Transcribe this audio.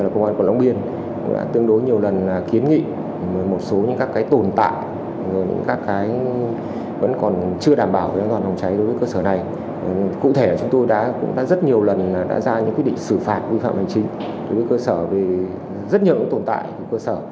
công an quận long biên công an thành phố hà nội đã nhiều lần xử phạt vi phạm hành chính và kiến nghị cơ sở khẩn trương khắc phục các tồn tại